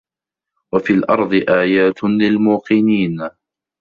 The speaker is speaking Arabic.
وَفِي الأَرضِ آياتٌ لِلموقِنينَ